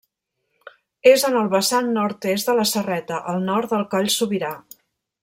És en el vessant nord-est de la Serreta, al nord del Coll Sobirà.